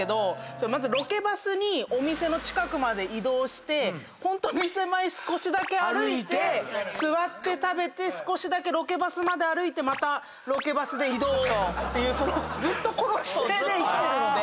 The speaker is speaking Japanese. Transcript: まずロケバスにお店の近くまで移動してホント店前少しだけ歩いて座って食べて少しだけロケバスまで歩いてまたロケバスで移動っていう。